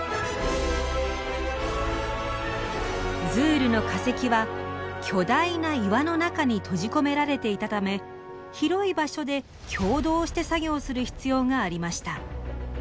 ズールの化石は巨大な岩の中に閉じ込められていたため広い場所で共同して作業する必要がありました。